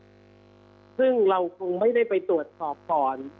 แต่ถ้าสมมุติว่าเรานักเข้าไปผ่าปักซึ่งเราคงไม่ได้ไปตรวจสอบก่อน